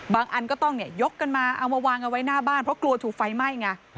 อันก็ต้องยกกันมาเอามาวางเอาไว้หน้าบ้านเพราะกลัวถูกไฟไหม้ไง